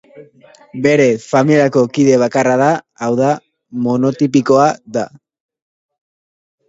Bere familiako kide bakarra da, hau da, monotipikoa da.